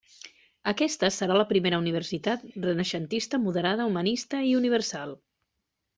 Aquesta serà la primera universitat renaixentista, moderada, humanista i universal.